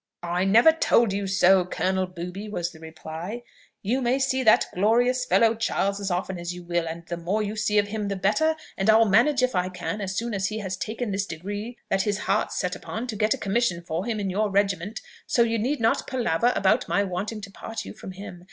'I never told you so, Colonel Booby,' was the reply. 'You may see that glorious fellow Charles as often as you will, and the more you see of him the better; and I'll manage if I can, as soon as he has taken this degree that his heart's set upon, to get a commission for him in your regiment; so you need not palaver about my wanting to part you from him.